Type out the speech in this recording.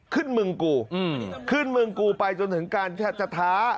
ขึ้นเมืองกูขึ้นเมืองกูไปจนถึงการจะท้า